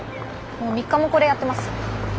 もう３日もこれやってます。